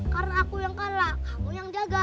karena aku yang kalah kamu yang jaga